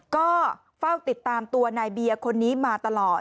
ก็เฝ้าติดตามตัวนายเบียร์คนนี้มาตลอด